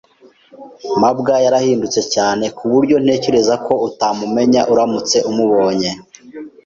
mabwa yarahindutse cyane kuburyo ntekereza ko utamumenya uramutse umubonye.